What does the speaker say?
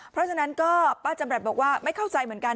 เพราะฉะนั้นก็ป้าจำรัฐบอกว่าไม่เข้าใจเหมือนกัน